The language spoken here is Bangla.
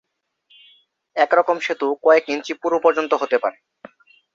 এরকম সেতু কয়েক ইঞ্চি পুরু পর্যন্ত হতে পারে।